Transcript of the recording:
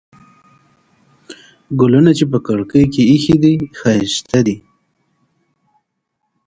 ګلونه چې په کړکۍ کې ایښي دي، ښایسته دي.